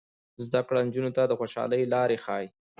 زده کړه نجونو ته د خوشحالۍ لارې ښيي.